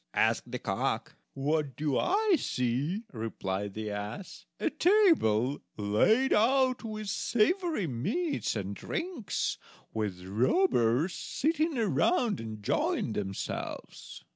asked the cock. "What do I see?" replied the ass; "a table laid out with savory meats and drinks, with robbers sitting around enjoying themselves."